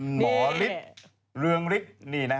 หมอริฟท์